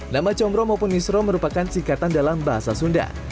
nama comro maupun misro merupakan singkatan dalam bahasa sunda